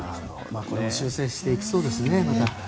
修正していきそうですね。